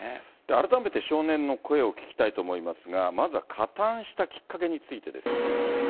改めて少年の声を聞きたいと思いますが、まずは加担したきっかけについてです。